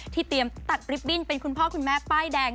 เตรียมตัดริบบิ้นเป็นคุณพ่อคุณแม่ป้ายแดง